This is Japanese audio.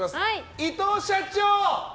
伊藤社長！